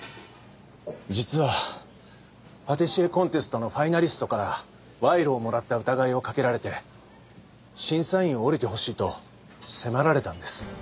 実はパティシエコンテストのファイナリストから賄賂をもらった疑いをかけられて審査員を降りてほしいと迫られたんです。